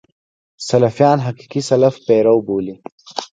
سلفیان حقیقي سلف پیرو بولي.